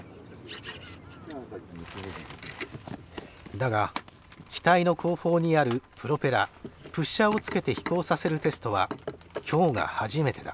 だが機体の後方にあるプロペラプッシャーをつけて飛行させるテストは今日が初めてだ。